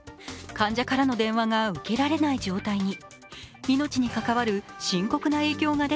患者からの電話が受けられない状態に。